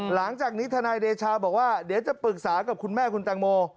หลังจากนี้ทนายเดชาบอกว่าเดี๋ยวจะปรึกษากับคุณแม่คุณแตงโม